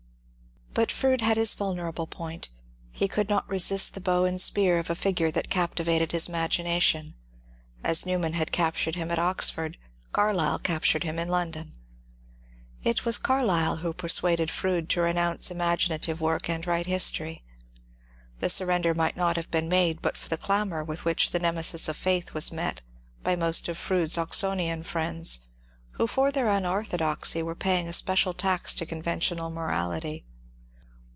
But Froude had his vulnerable point ; he could not resist the bow and spear of a figure that captivated his imagination : as Newman had captured him at Oxford, Carlyle captured him in London. It was Carlyle who persuaded Froude to renounce imagina tive work and write history. The surrender might not have been made but for the clamour with which *^ The Nemesis of Faith" was met by most of Fronde's Oxonian friends, who for their unorthodoxy were paying a special tax to conventional morality.